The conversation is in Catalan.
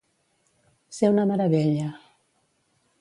Ser una meravella.